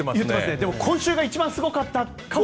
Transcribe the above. でも、今週が一番すごかったかも？